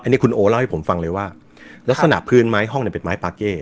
อันนี้คุณโอเล่าให้ผมฟังเลยว่าลักษณะพื้นไม้ห้องเนี่ยเป็นไม้ปาเก้